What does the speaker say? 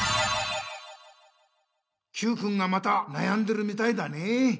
Ｑくんがまたなやんでるみたいだねえ。